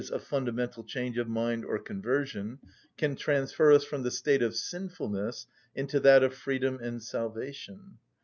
_, a fundamental change of mind or conversion), can transfer us from the state of sinfulness into that of freedom and salvation.